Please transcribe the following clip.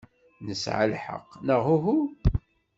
Nesɛa lḥeqq, neɣ uhu?